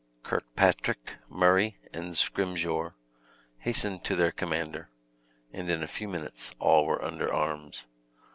Kirkpatrick, Murray, and Scrymgeour hastened to their commander; and in a few minutes all were under arms.